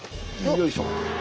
よいしょ。